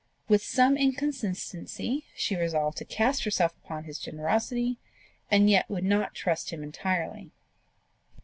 With some inconsistency, she resolved to cast herself on his generosity, and yet would not trust him entirely.